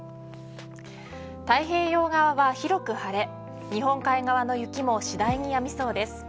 太平洋側は広く晴れ日本海側の雪も次第にやみそうです。